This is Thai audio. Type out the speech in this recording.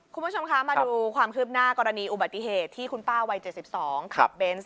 คุณผู้ชมคะมาดูความคืบหน้ากรณีอุบัติเหตุที่คุณป้าวัย๗๒ขับเบนส์